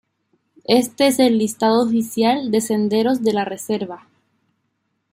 Este es el listado oficial de senderos de la reserva.